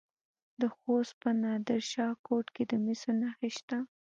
د خوست په نادر شاه کوټ کې د مسو نښې شته.